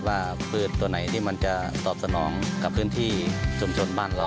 พืชตัวไหนที่มันจะตอบสนองกับพื้นที่ชุมชนบ้านเรา